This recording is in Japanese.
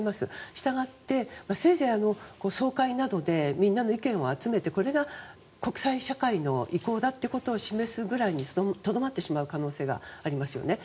したがって、せいぜい総会などでみんなの意見を集めて、これが国際社会の意向だということを示すぐらいにとどまってしまう可能性がありますよね。